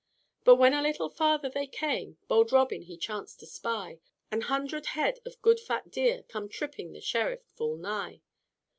"But when a little farther they came, Bold Robin he chanced to spy An hundred head of good fat deer Come tripping the Sheriff full nigh."